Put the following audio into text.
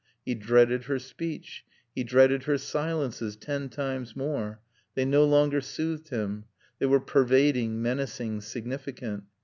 He dreaded her speech. He dreaded her silences ten times more. They no longer soothed him. They were pervading, menacing, significant.